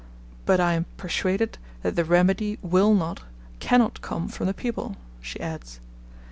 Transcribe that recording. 'But I am persuaded that the remedy will not, cannot come from the people,' she adds.